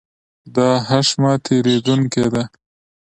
دا هښمه تېرېدونکې ده.